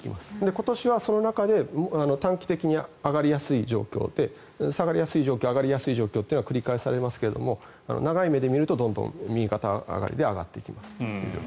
今年はその中で短期的に上がりやすい状況で下がりやすい状況上がりやすい状況というのは繰り返されますけども長い目で見るとどんどん右肩上がりで上がっていきます。